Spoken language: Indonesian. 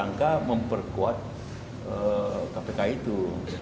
untuk memperkuat kpk itu